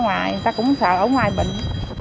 người ta cũng sợ ở ngoài bệnh